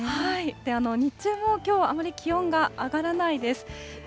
日中もきょう、あまり気温が上がらないです。